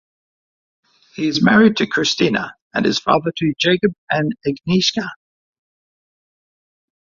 He is married to Krystyna and is father to Jakub and Agnieszka.